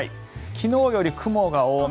昨日より雲が多め。